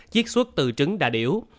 chiếc xuất từ trứng đà điểu